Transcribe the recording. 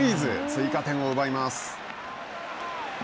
追加点を奪います。